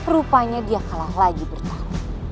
rupanya dia kalah lagi bertahun